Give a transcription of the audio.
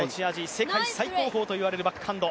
世界最高峰といわれるバックハンド。